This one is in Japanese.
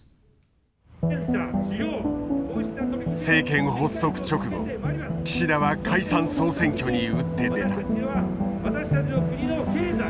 政権発足直後岸田は解散総選挙に打って出た。